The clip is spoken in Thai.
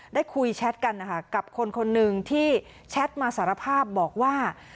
ได้คุยแชทกันนะคะกับคนคนหนึ่งที่แชทมาสารภาพบอกว่า